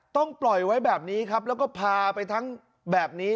ปล่อยไว้แบบนี้ครับแล้วก็พาไปทั้งแบบนี้